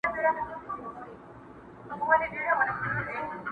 پوه نه سوم چي څنګه مي جانان راسره وژړل؛